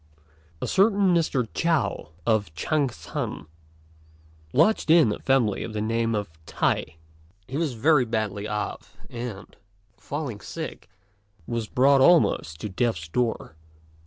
A certain Mr. Chao, of Ch'ang shan, lodged in a family of the name of T'ai. He was very badly off, and, falling sick, was brought almost to death's door.